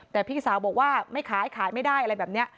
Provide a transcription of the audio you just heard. แต่พี่สาวบอกว่าไม่ขายขายไม่ได้อะไรแบบนี้